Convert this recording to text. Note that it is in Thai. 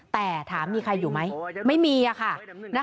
แต่ถามมีใครอยู่ไหมไม่มีค่ะ